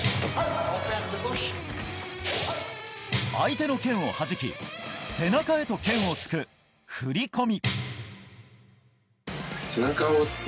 相手の件を弾き、背中へと剣を突く振り込み。